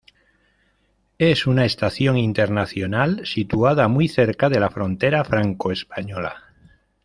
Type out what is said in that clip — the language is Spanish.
Es una estación internacional situada muy cerca de la frontera franco-española.